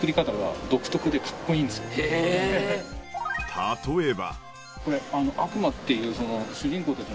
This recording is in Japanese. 例えば。